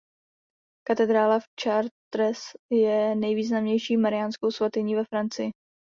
Katedrála v Chartres je nejvýznamnější mariánskou svatyní ve Francii.